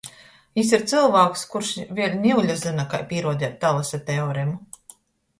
Jis ir cylvāks, kurs vēļ niule zyna, kai pīruodeit Talesa teoremu.